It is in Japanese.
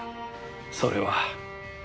それは。